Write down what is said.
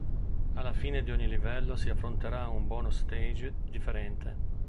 Alla fine di ogni livello si affronterà un bonus stage differente.